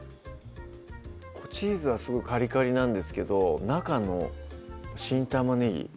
チーズはすごいカリカリなんですけど中の新玉ねぎ